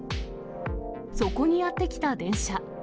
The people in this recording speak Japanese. そこにやって来た電車。